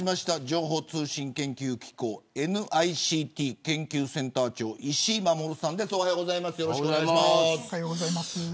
情報通信研究機構ＮＩＣＴ研究センター長石井守さんです。